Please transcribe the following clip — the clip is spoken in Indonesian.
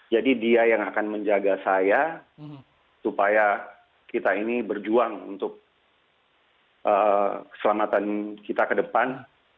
jadi dia yang akan menjaga saya supaya kita ini berjuang untuk keselamatan kita ke depan